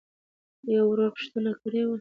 يــوه ورورپوښـتـنــه کــړېــوه.؟